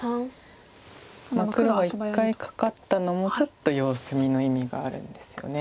黒が１回カカったのもちょっと様子見の意味があるんですよね。